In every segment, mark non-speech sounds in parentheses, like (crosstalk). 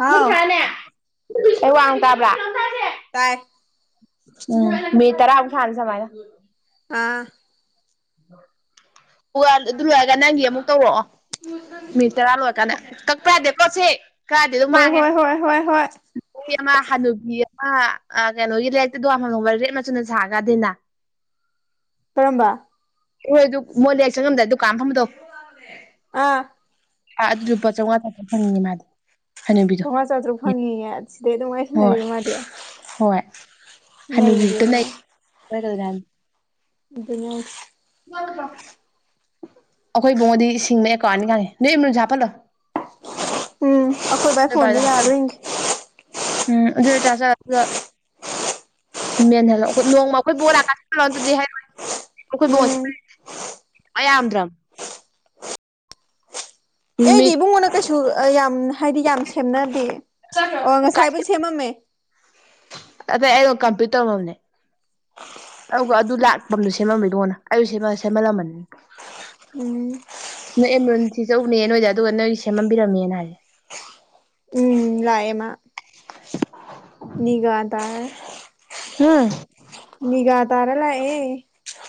ꯍꯥꯎ ꯍ ꯋꯥꯡ ꯇꯥꯕ꯭ꯔꯥ (inaudible) ꯇꯥꯏ ꯎꯝ ꯇꯔ ꯑꯃꯨ ꯈꯥꯟꯁꯔ (inaudible) ꯑꯥ ꯑꯗꯨ ꯂꯣꯏꯔꯒ ꯅꯪꯒꯤ ꯑꯃꯨꯛ ꯇꯧꯔꯛꯑꯣ ꯃꯤꯠ ꯇꯔꯥ ꯂꯣꯏꯔꯀꯥꯟꯗ ꯀꯛꯄ ꯌꯥꯗꯦ ꯄꯣꯠꯁꯤ ꯀꯛꯑꯗꯤ ꯑꯗꯨꯝ ꯍꯣꯏ ꯃꯥꯡꯉꯦ ꯍꯣꯏ ꯍꯣꯏ ꯍꯣꯏ ꯍꯣꯏ ꯑꯃ ꯍꯅꯨꯕꯤ ꯑꯃ ꯀꯩꯅꯣꯒꯤ ꯂꯩꯔꯛꯇ ꯗꯨꯀꯥꯟ ꯐꯕꯗꯨ ꯔꯦꯠ ꯃꯆꯨꯗ ꯁꯥꯔꯒ ꯗꯤꯅ ꯀꯔꯝꯕ ꯍꯣꯏ ꯑꯗꯨ ꯃꯣꯏ ꯂꯦꯛ ꯆꯪꯉꯝꯗ꯭ꯔꯦ ꯗꯨꯀꯥꯟ ꯐꯝꯝꯕꯗꯧ ꯑꯥ ꯑꯥ ꯑꯗꯨ ꯂꯨꯄꯥ ꯆꯥꯝꯃꯉꯥ ꯆꯥꯛꯄ ꯐꯪꯉꯤ ꯃꯥꯗꯤ ꯍꯅꯨꯕꯤꯗꯣ ꯆꯧꯉ ꯆꯇ꯭ꯔꯨꯛ ꯐꯪꯉꯦꯌꯦ ꯁꯤꯗꯩ ꯑꯗꯨꯝ ꯍꯣꯏ ꯉꯥꯏꯁꯤꯟꯅꯔꯤꯕ ꯍꯣꯏ ꯃꯥꯗꯤ ꯅꯩꯔꯦꯅꯦ ꯑꯣꯏꯣꯏ (unintelligible) ꯑꯗꯨꯅꯤ ꯍꯥꯏꯁꯤ ꯌꯥ꯭ꯔ (unintelligible) ꯑꯩꯈꯣꯏꯕꯨꯡꯉꯗꯤ ꯁꯤꯡꯕꯅ ꯑꯦꯀꯥꯎꯠꯑꯅꯤ ꯐꯪꯉꯦ ꯅꯣꯏ ꯏꯃꯨꯟꯁꯨ ꯍꯥꯞꯄꯜꯂꯣ ꯎꯝ ꯑꯩꯈꯣꯏ ꯕꯥꯏ ꯐꯣꯟꯗ ꯌꯥꯕ꯭ꯔ ꯌꯦꯡꯒꯦ ꯎꯝ ꯑꯗꯨ ꯑꯣꯏꯇꯁꯨ ꯃꯦꯟ ꯍꯜꯂꯛꯑꯣ ꯅꯣꯡꯃ ꯑꯩꯈꯣꯏ ꯕꯣꯔ ꯂꯥꯛꯀꯁꯤ ꯇꯗꯗꯤ ꯍꯥꯏꯔ ꯑꯩꯈꯣꯏ ꯕꯣꯁꯦ ꯎꯝ (unintelligible) ꯃꯥꯏ ꯌꯥꯝꯗ꯭ꯔꯝ ꯑꯩꯗꯤ ꯅꯨꯃꯤꯠ ꯏꯕꯨꯡꯉꯣꯟꯅ ꯀꯩꯁꯨ ꯌꯥꯝ ꯍꯥꯏꯗꯤ ꯌꯥꯝ ꯁꯦꯝꯅꯗꯦ ꯑꯣ ꯉꯁꯥꯏꯕꯨꯗꯤ ꯁꯦꯝꯃꯝꯃꯦ ꯑꯗꯩ ꯑꯩꯩꯒ ꯀꯝꯄ꯭ꯌꯨ ꯇꯧꯃꯝꯅꯦ ꯑꯗꯨꯒ ꯑꯗꯨ ꯂꯥꯛꯄꯗꯨ ꯁꯦꯝꯃꯝꯄꯦ ꯗꯉꯣꯅ ꯑꯩꯁꯨ ꯁꯦꯝꯃꯜꯂꯝꯃꯅꯤ ꯎꯝ ꯅꯣꯏ ꯑꯦꯝꯔꯨꯟꯁꯤꯆꯧꯅꯦ ꯅꯣꯏꯁꯗ ꯑꯗꯨꯒ ꯅꯣꯏꯒꯤ ꯁꯦꯝꯕꯤꯔꯝꯃꯦꯅ ꯍꯥꯏꯁꯦ ꯎꯝ ꯂꯥꯛꯑꯦ ꯃ (inaudible) ꯅꯤꯒꯗ ꯍꯥꯏ ꯍꯨ ꯃꯤꯒ ꯇꯥꯔꯂꯌꯦ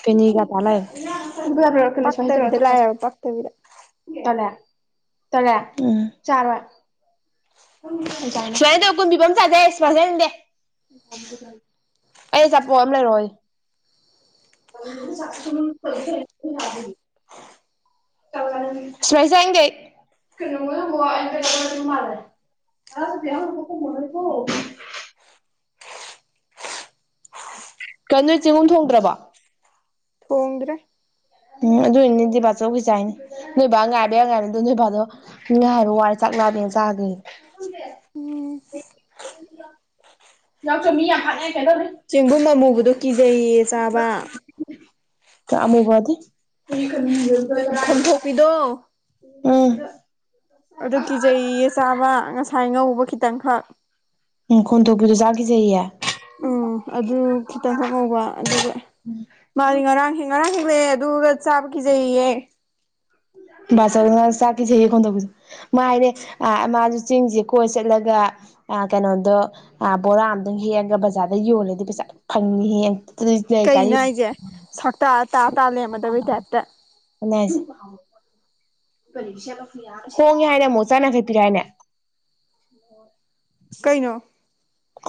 ꯐꯅꯤꯒ ꯇ ꯂꯩꯦ (unintelligible) ꯄꯛꯇꯕꯤꯗ ꯂꯥꯏꯕ ꯄꯛꯇꯕꯤꯗ ꯇꯂꯦ ꯇꯂꯦ ꯎꯝ ꯆꯔꯋꯥꯏ ꯁꯨꯃꯥꯏꯅ ꯇꯧ ꯀꯨꯝꯕꯤꯕꯝ ꯆꯥꯖꯩꯁ ꯐꯖꯗꯦ ꯑꯩ ꯑꯆꯄꯣꯠ ꯑꯃ ꯂꯩꯔꯛꯑꯣ (unintelligible) (unintelligible) (unintelligible) ꯀꯩꯅ ꯅꯣꯏ ꯆꯤꯡꯒꯨꯝ ꯊꯣꯡꯗ꯭ꯔꯕ ꯇꯣꯡꯗ꯭ꯔ ꯎꯝ ꯑꯗꯨ ꯑꯣꯏꯅꯤ ꯗꯤꯕꯥꯆꯧꯈꯤ ꯆꯥꯏꯅꯤ ꯅꯣꯏꯕ ꯉꯥꯏꯕ ꯑ ꯉꯥꯏꯅꯤꯗ ꯅꯣꯏꯚꯗꯣ ꯉꯥꯏꯕ ꯋꯔꯦ ꯆꯥꯛ ꯂꯥꯝꯃꯦꯅ ꯆꯒ꯭ꯔꯤ ꯎꯝ ꯌꯥꯎꯆꯣ ꯃꯤ ꯌꯥꯝ ꯍꯠꯅꯦꯌꯦ ꯀꯩꯗꯧ ꯆꯦꯡꯒꯨꯝ ꯑꯃꯨꯕꯗꯣ ꯀꯤꯖꯩꯌꯦ ꯆꯥꯕ ꯀ ꯑꯃꯨꯕ ꯑꯗꯤ (unintelligible) ꯈꯣꯝꯊꯣꯛꯄꯤꯗꯣ ꯎꯝ ꯑꯗꯨ ꯀꯤꯖꯩ ꯑ ꯆꯥꯕ ꯉꯁꯥꯏ ꯉꯧꯕ ꯈꯤꯇꯪꯈꯛ ꯎꯝ ꯈꯣꯟꯇꯣꯛꯄꯗꯨ ꯆꯥꯖꯕ ꯀꯤꯖꯩꯌꯦ ꯎꯝ ꯑꯗꯨ ꯈꯤꯇꯪꯈꯛ ꯉꯧꯕ ꯑꯗꯨꯒ ꯃꯥꯗꯤ ꯉꯔꯥꯡ ꯉꯔꯥꯡ ꯍꯦꯛꯂꯛꯑꯦ ꯑꯗꯨꯒ ꯆꯥꯕ ꯈꯤꯖꯩꯌꯦ ꯗꯆꯧꯅ ꯆꯥ ꯀꯤꯖꯩꯌꯦ ꯈꯣꯟ ꯊꯣꯛ ꯃꯥꯥꯏꯅꯦ ꯑ ꯃꯥꯖꯨ ꯆꯤꯡꯖꯦ ꯀꯣꯏ ꯆꯠꯂꯒ ꯑ ꯀꯩꯅꯣꯗꯣ ꯑ ꯕꯣꯔꯥ ꯑꯝꯗ ꯍꯦꯛꯑꯒ ꯕꯖꯥꯔꯗ ꯌꯣꯜꯂꯗꯤ ꯄꯩꯁꯥ ꯐꯪꯅꯤ ꯍꯦꯛ ꯀꯩꯅꯣ ꯑꯩꯖꯦ ꯁꯛꯇ ꯇꯥ ꯇꯥ ꯂꯩꯔꯝꯃꯗꯕꯒꯤ ꯇꯥꯏꯞꯇ ꯑꯅꯦ ꯍꯥꯏꯖꯦ ꯍꯣꯡꯉꯦ ꯍꯥꯏꯅ ꯃꯣꯆꯥꯅꯥ ꯖꯤꯛ ꯄꯤꯔꯛ ꯑꯦ ꯍꯥꯏꯅꯦ (inaudible) ꯀꯩꯅꯣ (unintelligible)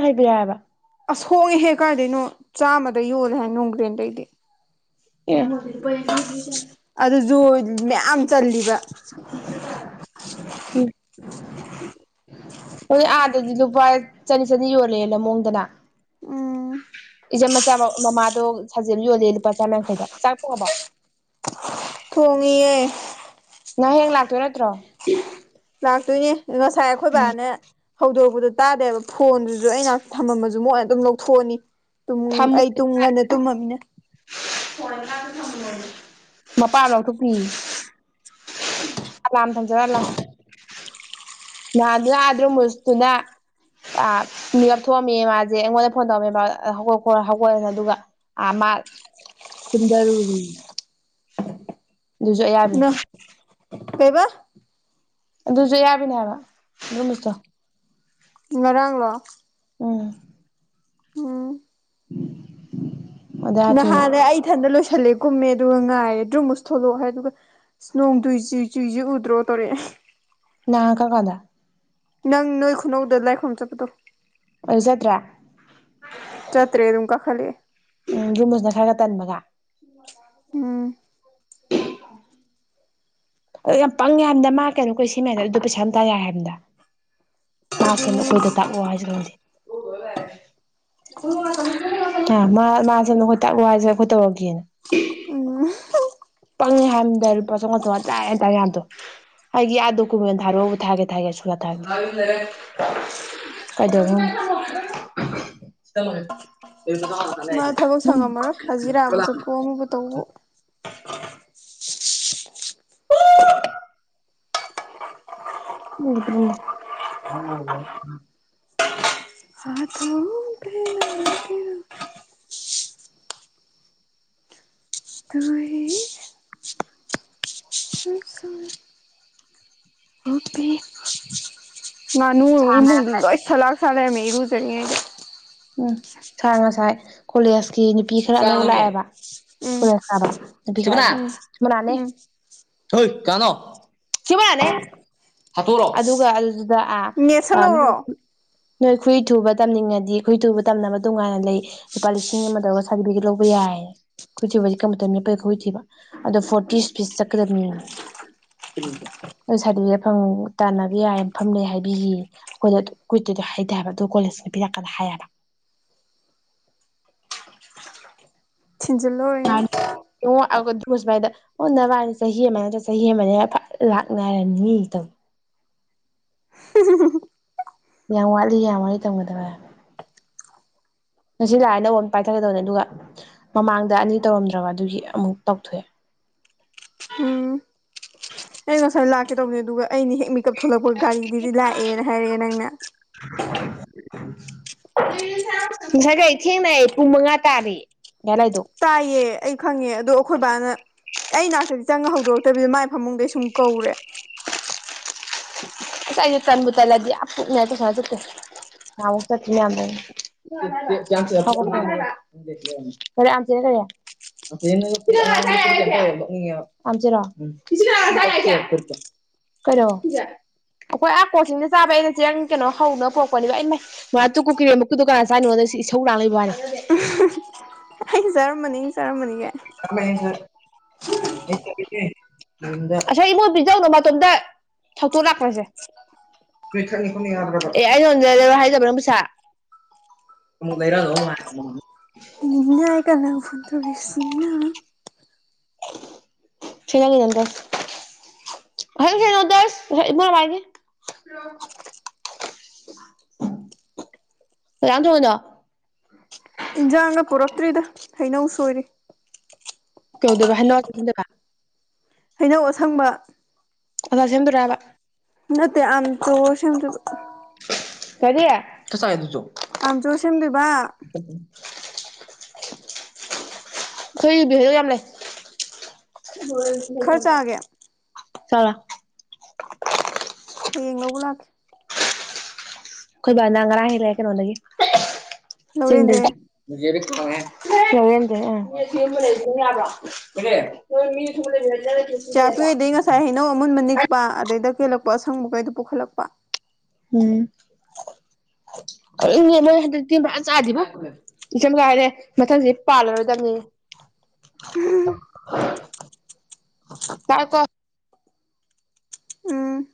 ꯍꯥꯏꯕꯤꯔꯛꯑꯕ ꯑꯁ ꯍꯣꯡꯉꯦ ꯍꯦ ꯀꯥꯏꯗꯩꯅꯣ ꯆꯥꯝꯃꯗ ꯌꯣꯜꯂꯦ ꯍꯥꯏ ꯅꯣꯡꯒ꯭ꯔꯦꯟꯗꯩꯗꯤ ꯑꯦ (unintelligible) ꯑꯗꯨꯖꯨ ꯃꯌꯥꯝ ꯆꯜꯂꯤꯕ꯫ ꯎꯝ ꯑꯗꯨ ꯑꯥꯗꯗꯤ ꯂꯨꯄꯥ ꯆꯅꯤ ꯆꯅꯤ ꯌꯣꯜꯂꯦꯑꯣꯡꯗꯅ꯫ ꯎꯝ ꯏꯆꯝ ꯃꯆꯥ ꯃ ꯃꯃꯥꯗꯣ ꯁꯥꯖꯦꯜ ꯌꯣꯜꯂꯦ ꯂꯨꯄꯥ ꯆꯥꯝꯃ ꯌꯥꯡꯈꯩꯗ ꯆꯥꯛ ꯊꯣꯡꯕꯣ꯫ ꯊꯣꯡꯉꯤꯌꯦ ꯅꯪ ꯍꯌꯦꯡ ꯂꯥꯛꯇꯣꯏ ꯅꯠꯇ꯭ꯔꯣ ꯂꯥꯛꯇꯣꯏꯅꯦ ꯉꯁꯥꯏ ꯑꯩꯈꯣꯏ ꯕꯥꯅ ꯍꯧꯗꯣꯔꯛꯄꯗꯣ ꯇꯥꯗꯦꯕ ꯐꯣꯟꯗꯨꯖꯨ ꯑꯩ ꯅꯛ ꯊꯝꯃꯝꯃꯖꯨ ꯃꯣꯏꯅ ꯑꯗꯨꯝ ꯂꯧꯊꯣꯛꯑꯅꯤ꯫ ꯇꯨꯝ ꯑꯩ ꯇꯨꯡ ꯉꯟꯅ ꯇꯨꯝꯃꯃꯤꯅ꯫ ꯃꯄꯥꯅ ꯂꯧꯎꯊꯣꯛ ꯄꯤꯌꯦ꯫ ꯑꯂꯝ ꯊꯝꯖꯜꯂ ꯑꯂꯝ ꯅꯍꯟꯖꯨ ꯑ ꯑꯗ꯭ꯔꯨꯝ ꯃ꯭ꯁꯨꯁꯇꯨꯅ ꯑ ꯃꯤ ꯑꯞꯊꯣꯛꯑꯝꯃꯦ ꯃꯥꯁꯦ ꯑꯩꯉꯣꯟꯗ ꯐꯣꯟ ꯇꯧꯔꯝꯃꯦ ꯕ ꯍꯧꯒꯠꯑ ꯍꯧꯒꯠ ꯑꯗꯨꯒ꯫ ꯑꯥ ꯃꯥ ꯇꯨꯝꯗꯔꯨꯔꯤ ꯑꯗꯨꯁꯨ ꯑꯌꯥꯕꯤ꯫ ꯀꯩꯕꯥ ꯑꯗꯨꯁꯨ ꯑꯌꯥꯕꯤꯅꯦ ꯍꯥꯏꯕ ꯗꯨꯝꯃꯨꯁꯇꯣ꯫ ꯉꯔꯥꯡ ꯂꯣ ꯎꯝ ꯎꯝ ꯑꯗꯨ ꯅꯍꯥꯟꯅꯩ ꯑꯩ ꯏꯊꯟꯗ ꯂꯣꯏꯁꯤꯜꯂꯦ ꯀꯨꯝꯃꯦ ꯑꯗꯨꯒ ꯉꯥꯏꯔꯦ ꯗ꯭ꯔꯨꯝꯃꯨꯁ ꯊꯣꯛꯂꯛꯑꯣ ꯍꯥꯏ ꯑꯗꯨꯒ ꯅꯣꯡ ꯇꯨꯏ ꯆꯨꯏ ꯆꯨꯏꯖꯦ ꯎꯗ꯭ꯔꯣ ꯇꯧꯔꯛꯑꯦ꯫ ꯅꯍꯟ ꯀꯝ ꯀꯟꯗ ꯅꯪ ꯅꯣꯏ ꯈꯨꯅꯧꯗ ꯂꯥꯏꯈꯝꯔꯝ ꯆꯠꯄꯗꯣ꯫ ꯑꯗꯖꯠꯇ꯭ꯔꯦ ꯆꯠꯇ꯭ꯔꯦ ꯑꯗꯨꯝ ꯀꯈꯠꯂꯛ ꯑꯦ꯫ ꯎꯝ ꯗ꯭ꯔꯨꯝꯃꯨꯁꯅ ꯈꯔꯒ ꯇꯟꯕꯒ ꯃꯖꯥ ꯎꯝ (inaudible) ꯑ ꯌꯥꯝ ꯄꯪꯉꯦ ꯍꯥꯏꯃꯗ ꯃꯥ ꯀꯩꯅꯣ ꯀꯨꯁꯤ ꯃꯅꯔꯗꯨ ꯄꯩꯁꯥꯝꯇꯥꯥ ꯌꯥ ꯍꯥꯏꯕꯗ꯫ ꯃꯥ ꯁꯦꯝꯅ ꯑꯗꯨꯅꯤ ꯑꯈꯣꯏꯗ ꯇꯥꯛꯂꯣ ꯍꯥꯏꯁꯤꯔ ꯈꯪꯗꯦ꯫ ꯑ ꯃꯥ ꯃꯥꯁꯦ ꯅꯈꯣꯏ ꯇꯥꯛ ꯋꯥꯏꯁꯦ ꯑꯩꯈꯣꯏ ꯇꯧꯔꯒꯦꯅ ꯎꯝ ꯄꯪꯉꯦ ꯍꯥꯏꯝꯗꯥꯏ ꯂꯨꯄꯥ ꯆꯥꯝꯉꯥ ꯆꯉ ꯆꯦꯇꯥꯔꯦꯗꯣ ꯑꯩꯒꯤ ꯑꯥ ꯗꯣꯀꯨꯃꯦꯟ ꯊꯥꯔꯛꯑꯣꯕꯨ ꯊꯥꯒꯦ ꯊꯥꯒꯦ ꯁꯨ ꯊꯥ ꯀꯗꯣꯃ ꯐ ꯍꯥꯏ ꯇꯣꯡꯉꯕꯨ ꯇꯧꯕ ꯑ ꯗꯤ ꯍꯥꯊꯣꯡ ꯊꯦ ꯑꯗꯨ ꯅꯅꯨ ꯏꯃꯨꯡꯗꯨ ꯂꯣꯏ ꯆꯂꯥꯛꯁꯂꯦꯃꯦ ꯏꯔꯨꯖꯔꯤ ꯎꯝ ꯁꯥꯔ ꯉꯁꯥꯏ ꯀꯣꯂꯦꯖꯀꯤ ꯅꯨꯄꯤ ꯈꯔ ꯂꯧ ꯂꯥꯛꯑꯦꯕ ꯎꯝ ꯐꯔꯁꯕ ꯎꯝ ꯆꯃꯅꯥꯅꯦ ꯎꯝ ꯍꯣꯏ ꯀꯥꯅꯣ ꯁꯤꯃꯅꯦ ꯍꯥꯠꯇꯣꯔꯛꯑꯣ ꯑꯗꯨꯒ ꯑꯗꯨꯗ ꯑꯥ ꯅꯣꯏ ꯅꯦꯠꯁꯜꯍꯧꯔꯣ ꯅꯣꯏ ꯈꯨꯏ ꯊꯨꯕ ꯇꯝꯅꯤꯡꯉꯗꯤ ꯑꯩꯈꯣꯏ ꯇꯨꯕ ꯇꯝꯅꯕ ꯇꯣꯉꯥꯏꯅ ꯂꯩ ꯂꯨꯄꯥ ꯂꯤꯁꯤꯡ ꯑꯃ ꯇꯧꯔꯒ ꯁꯥꯔꯇꯤꯐꯤꯀꯦꯠ ꯂꯧꯕ ꯌꯥꯏꯌꯦ ꯀꯨꯏꯊꯕꯗꯤ ꯀ ꯃꯇꯝ ꯀꯩ ꯈꯨꯏꯊꯤꯕ ꯑꯗꯣ ꯐꯣꯔꯇꯤꯁ ꯄꯤꯁ ꯆꯠꯀꯗꯕꯅꯤ ꯁꯥꯇ ꯌꯥꯐꯝ ꯇꯥꯟꯅꯕ ꯌꯥꯏꯐꯝ ꯂꯩ ꯍꯥꯏꯕꯤꯈꯤ ꯑꯩꯈꯣꯏꯗꯣ ꯀꯨꯏꯣꯏꯗꯣ ꯍꯥꯏꯇꯥꯦꯕ ꯑꯗꯣ ꯀꯣꯂꯦꯖꯅ ꯄꯤꯔꯛꯀꯅ ꯍꯥꯏꯌꯦꯕ ꯊꯤꯟꯖꯤꯜꯂꯨꯔꯦ ꯑꯣꯒ ꯁ ꯃꯥꯏꯗ ꯑꯣ ꯅꯕꯥꯅꯤ ꯆꯍꯤ ꯑꯃ ꯅꯠꯇ꯭ꯔ ꯆꯍꯤ ꯑꯃꯅꯦ ꯂꯥꯛꯅꯔꯅꯤꯇꯧ ꯌꯥꯝ ꯋꯥꯠꯂꯤ ꯌꯥꯝ ꯋꯥꯔꯤ ꯇꯝꯒꯗꯕ ꯉꯁꯤ ꯂꯥꯛꯑꯦ ꯅꯧꯕꯣꯟ ꯑꯃ ꯄꯥꯏꯊꯛꯒꯗꯕꯅꯦ ꯑꯗꯨꯒ ꯃꯃꯥꯡꯗ ꯑꯅꯤ ꯇꯧꯔꯝꯗ꯭ꯔꯕ ꯑꯗꯨꯒꯤ ꯑꯃꯨꯛ ꯇꯧꯊꯣꯛꯑꯦ ꯎꯝ ꯑꯩ ꯉꯁꯥꯏ ꯂꯥꯛꯀꯦ ꯇꯧꯕꯅꯦ ꯑꯗꯨꯒ ꯑꯩꯅꯤ ꯍꯦꯛ ꯃꯤꯀꯑꯞ ꯊꯣꯛꯂꯛꯄ ꯒꯥꯔꯤꯗꯨꯗꯤ ꯂꯥꯛꯑꯦꯅ ꯍꯥꯏꯔꯛꯑꯦ ꯅꯪꯅ (inaudible) ꯉꯁꯥꯏꯒ ꯊꯦꯡꯅꯩ ꯑꯩ ꯄꯨꯡ ꯃꯉꯥ ꯇꯥꯔꯤ ꯂꯥꯏꯗꯣ ꯇꯥꯏꯌꯦ ꯑꯩ ꯈꯪꯉꯦ ꯑꯗꯣ ꯑꯩꯈꯣꯏ ꯕꯥꯅ ꯑꯩ ꯅꯥꯛꯇꯗꯤ ꯆꯪꯉ ꯍꯧꯗꯣꯔꯛꯇꯕꯤꯗ ꯃꯥꯏ ꯐꯃꯨꯡꯗꯩ ꯁꯨꯝ ꯀꯧꯔꯦ ꯁꯥꯏ ꯆꯥꯟꯕꯨ ꯆ ꯂꯗꯤ ꯉ ꯇ ꯁꯥꯟ ꯆꯦ ꯍ ꯆ ꯊ ꯌꯥꯝꯗ ꯈꯔꯦ ꯑꯝꯆꯅꯦ ꯈꯔꯦ (unintelligible) (inaudible) (inaudible) ꯀꯣ ꯑꯩꯈꯣꯏ ꯑꯥ ꯀꯣꯆꯤꯡꯅ ꯆꯥꯕ ꯑꯩꯅ ꯆꯦꯪ ꯀꯩꯅꯣ ꯍꯧꯅ ꯄꯨꯔꯛꯄꯅꯦꯕ ꯑꯩꯅ ꯃꯥ ꯇꯨ ꯀꯨꯀꯤꯔꯦꯃꯨꯀꯤꯗꯨꯀꯥꯟ ꯆꯥꯅꯣꯗ ꯁꯤ ꯏꯁꯧ ꯂꯥꯛꯂꯏꯕ ꯋꯥꯅꯦ ꯑꯩ ꯖꯔꯃꯅꯤ ꯖꯔꯃꯅꯤꯒ ꯑꯁ ꯏꯃꯣꯏꯕꯤꯖꯧꯅꯣ ꯃꯇꯣꯝꯗ ꯊꯧꯇꯣꯛ ꯂꯥꯛꯄꯁꯦ ꯑꯦ ꯑꯩ ꯌꯣꯟꯖ ꯍꯥꯏꯖꯕ꯭ꯔ ꯅꯪ ꯄꯩꯁꯥ ꯑꯃꯨꯛ ꯂꯩꯔꯒ ꯏꯅꯥꯏꯀꯥꯟꯅ ꯐꯨꯟꯗ꯭ꯔꯕꯤꯁꯤꯡꯅ ꯁꯤꯅ ꯀꯗꯗꯁ ꯍꯜꯅꯣꯗꯁ ꯅ ꯋꯥꯒꯦ ꯌꯥꯗ ꯑꯣꯏꯗ ꯏꯟꯖꯥꯡꯒ ꯄꯨꯔꯛꯇ꯭ꯔꯤꯗ ꯍꯩꯅꯧ ꯁꯣꯏꯔꯤ ꯀꯧꯗꯕ ꯍꯥꯏꯟꯅꯣꯗ ꯍꯩꯅꯧ ꯑꯁꯪꯕ ꯑꯣꯖꯥ ꯁꯦꯝꯗꯣꯔꯑꯕ ꯅꯠꯇ ꯑ ꯈꯨ ꯁꯦꯝꯗꯨꯁꯨ ꯀꯔꯤꯌꯦ ꯇꯁꯥꯏꯗꯖꯣ ꯑꯝꯁꯨ ꯁꯦꯝꯗꯣꯏꯕ ꯎ ꯎꯝ ꯖꯞ ꯖꯞ ꯈꯣꯏ ꯗꯁꯨ ꯌꯥꯝ ꯂꯩ ꯈꯔ ꯆꯥꯒꯦ ꯆꯥꯔꯦ ꯍꯌꯦꯡ ꯂꯧꯕ ꯂꯥꯛꯀꯦ ꯑꯩꯈꯣꯏ ꯕꯥ ꯅ ꯉꯔꯥꯡ ꯍꯦꯛꯂꯦ ꯀꯩꯅꯣꯗꯒꯤ ꯂꯧꯔꯦꯟꯗꯩ ꯆꯤꯡꯗꯒꯤ (inaudible) (inaudible) ꯆꯥꯛꯄꯤ ꯍꯣꯏꯗꯩ ꯉꯁꯥꯏ ꯍꯩꯅꯧ ꯑꯃꯨꯟꯕ ꯅꯤꯛꯄ ꯑꯗꯩꯗ ꯀꯦꯜꯂꯛꯄ ꯑꯁꯪꯕ ꯀꯩꯗꯣ ꯄꯨꯈꯠꯂꯛꯄ ꯎꯝ ꯍꯩ ꯁꯦ ꯃꯣꯏ ꯍꯟꯗꯛ ꯇꯤ ꯐꯖꯅꯥ ꯆꯥꯗꯦꯕꯣ ꯏꯆꯝꯆꯥꯅ ꯍꯥꯏꯔꯛꯑ ꯃꯊꯪꯗꯤ ꯄꯥꯜꯂꯔꯣꯏꯗꯕꯅꯤ ꯄꯥꯏꯎꯀꯣ ꯎꯝ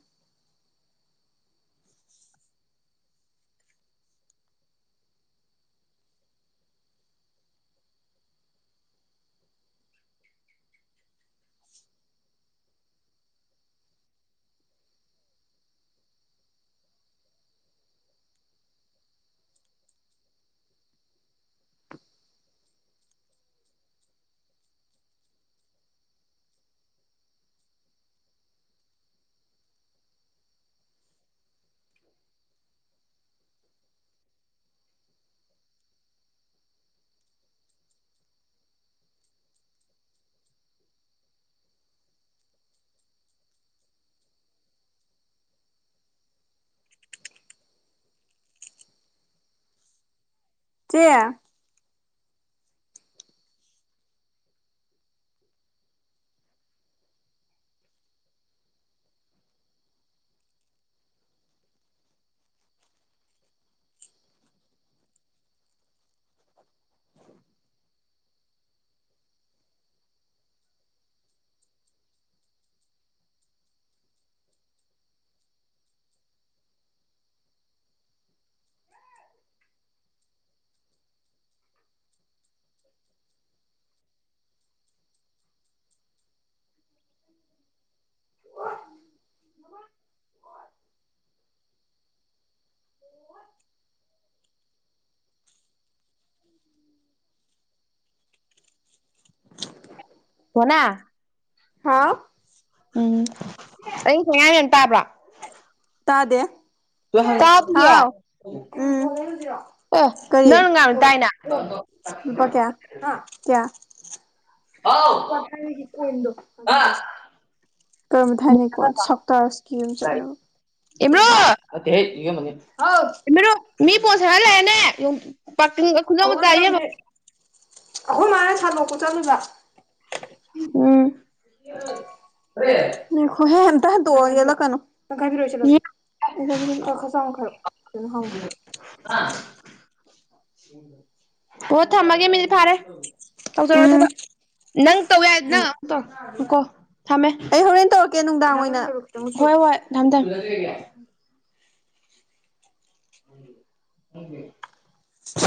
ꯆꯦ ꯀꯣꯅꯥ ꯍꯥꯥꯎ ꯎꯝ ꯑꯩ ꯊꯉꯥꯡ ꯇꯥꯕ꯭ꯔꯣ ꯇꯥꯗꯦ ꯇꯥꯗꯦꯌꯦ ꯍꯥꯎ ꯎꯝ ꯀꯔꯤ ꯅꯪꯅ ꯉꯥꯡꯕꯗꯤ ꯇꯥꯏꯅ ꯂꯨꯄꯥ ꯀꯌꯥ ꯍꯥ ꯀꯌꯥ ꯍꯥꯎ ꯂꯨꯄꯥ ꯈꯔꯒꯤ ꯀꯣꯏꯟꯗꯣ ꯍꯥ ꯑꯗꯨꯗꯣ ꯀꯔꯝꯕ ꯊꯥꯏꯅꯤ ꯀꯣꯏꯟ ꯁꯞꯇꯥꯁꯀꯤ ꯑꯗꯨꯝ ꯆꯠꯅ ꯀꯩ ꯍꯥꯏꯕꯥ ꯅꯠꯇꯦ ꯍꯦ ꯌꯣꯏꯍꯦꯟꯕꯥ ꯒꯤꯅꯤ ꯊꯤꯟꯕꯤꯅꯨ ꯃꯤꯒꯤ ꯄꯣꯠ ꯁꯦꯒꯥꯏ ꯍꯜꯂꯦꯅꯦ ꯑꯣꯔꯗꯧꯅꯦ ꯑꯩꯈꯣꯏ ꯃꯥꯅ ꯁꯥꯟꯗꯣꯛꯄ ꯆꯠꯂꯤꯕ ꯎꯝ ꯉꯥꯏꯈꯣ ꯍꯦ ꯑꯃꯇꯥ ꯍꯟꯗꯣꯛ ꯑꯣ ꯌꯦꯠꯂꯛꯀꯅꯨ ꯇꯥꯪꯈꯥꯏ ꯄꯤꯔꯛꯑꯣ ꯑꯩ ꯁꯦꯝꯕꯤꯔꯛꯀꯦ ꯈꯔ ꯆꯥꯎꯅ ꯈꯏꯔꯛꯑꯣ ꯑꯗꯨꯅ ꯍꯥꯎꯅꯤ ꯃꯥ ꯑꯣ ꯊꯝꯃꯒꯦ ꯃꯤꯅꯠ ꯐꯥꯔꯦ ꯇꯧꯖꯔꯣ ꯎꯝ ꯊꯕꯛ ꯅꯪ ꯇꯧꯌꯥꯔꯗꯤꯅ ꯅꯪ ꯑꯃꯨꯛ ꯑꯩ ꯇꯧꯔꯛ ꯑꯣ ꯉꯥꯏꯈꯣ ꯊꯝꯃꯦ ꯍꯣꯔꯦꯟ ꯇꯧꯔꯛꯀꯦ ꯅꯨꯡꯗꯥꯡ ꯑꯣꯏꯅ ꯍꯣꯏ ꯍꯣꯏ ꯊꯝ ꯊꯝꯃꯦ ꯎꯝ ꯈꯪꯗꯦ